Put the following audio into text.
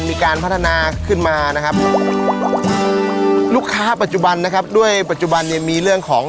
มีการพัฒนาขึ้นมานะครับลูกค้าปัจจุบันนะครับด้วยปัจจุบันเนี่ยมีเรื่องของ